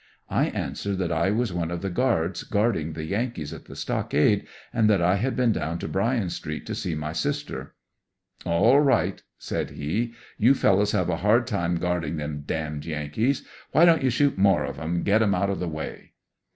I answered that I was one of the guards guarding the Yankees at the stockade, and that I had been down to Bryan street to see my sister. "All right," said he, "You fellows have a hard time guarding them d — d Yankees. Why don't you shoot more of 'em and get 'em out o' the way?"